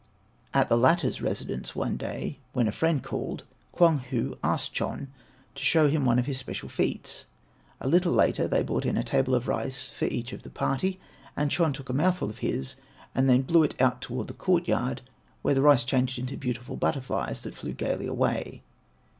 At the latter's residence one day when a friend called, Kwang hu asked Chon to show them one of his special feats. A little later they brought in a table of rice for each of the party, and Chon took a mouthful of his, and then blew it out toward the courtyard, when the rice changed into beautiful butterflies that flew gaily away.